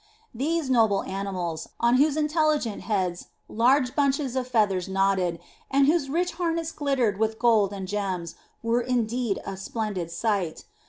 These noble animals, on whose intelligent heads large bunches of feathers nodded, and whose rich harness glittered with gold and gems, were indeed a splendid sight.